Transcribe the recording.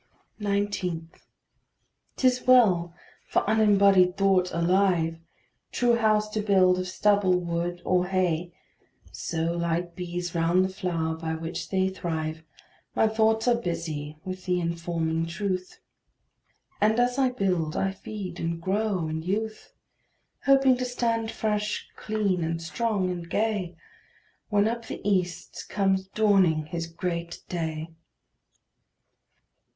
19. 'Tis well, for unembodied thought a live, True house to build of stubble, wood, nor hay; So, like bees round the flower by which they thrive, My thoughts are busy with the informing truth, And as I build, I feed, and grow in youth Hoping to stand fresh, clean, and strong, and gay, When up the east comes dawning His great day.